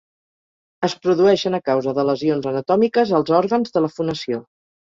Es produeixen a causa de lesions anatòmiques als òrgans de la fonació.